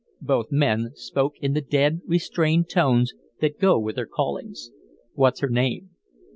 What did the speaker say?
Both men spoke in the dead, restrained tones that go with their callings. "What's her name?"